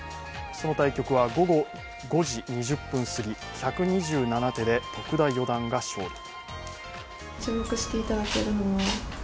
その対局は午後５時２０分すぎ１２７手で徳田四段が勝利。